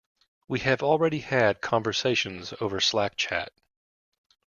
We have already had conversations over Slack chat.